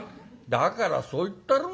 「だからそう言ったろ。